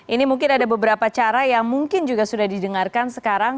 ini mungkin ada beberapa cara yang mungkin juga sudah didengarkan sekarang